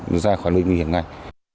ra khỏi nơi nguy hiểm này